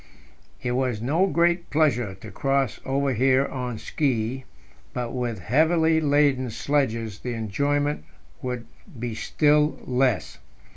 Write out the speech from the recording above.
It was no great pleasure to cross over here on ski, but with heavily laden sledges the enjoyment would be still less.